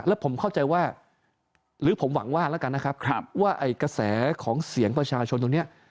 และผมเข้าใจว่าหรือผมหวังว่าว่ากระแสของเสียงประชาชนตรงนี้